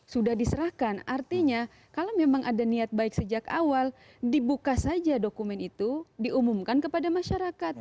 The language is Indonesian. sudah diserahkan artinya kalau memang ada niat baik sejak awal dibuka saja dokumen itu diumumkan kepada masyarakat